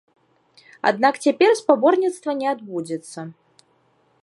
Аднак цяпер спаборніцтва не адбудзецца.